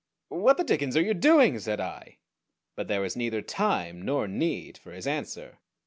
"What the dickens are you doing?" said I. But there was neither time nor need for his answer.